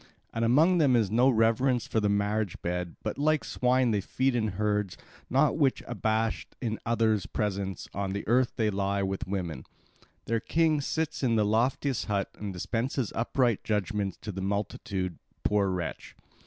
And among them is no reverence for the marriage bed, but, like swine that feed in herds, no whit abashed in others' presence, on the earth they lie with the women. Their king sits in the loftiest hut and dispenses upright judgments to the multitude, poor wretch!